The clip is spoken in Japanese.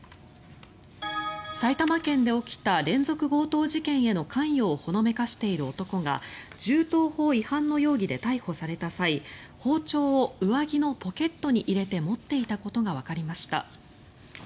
埼玉県で起きた連続強盗事件への関与をほのめかしている男が銃刀法違反の容疑で逮捕された際包丁を上着のポケットに入れて持っていたことがわかりました。